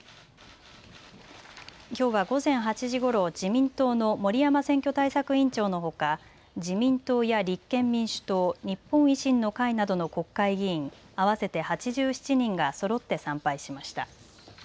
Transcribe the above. きょうは午前８時ごろ自民党の森山選挙対策委員長のほか、自民党や立憲民主党、日本維新の会などの国会議員合わせて８７人がそろって参拝しました。